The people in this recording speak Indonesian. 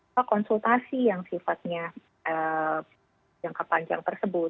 atau konsultasi yang sifatnya jangka panjang tersebut